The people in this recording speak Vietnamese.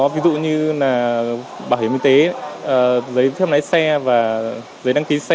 ví dụ như là bảo hiểm y tế giấy xâm lãi xe giấy đăng ký xe và một số cái thủ tục khác